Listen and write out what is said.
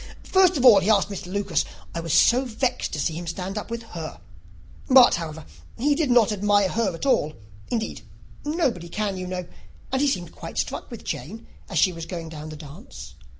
First of all, he asked Miss Lucas. I was so vexed to see him stand up with her; but, however, he did not admire her at all; indeed, nobody can, you know; and he seemed quite struck with Jane as she was going down the dance.